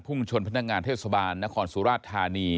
ชนพนักงานเทศบาลนครสุราชธานี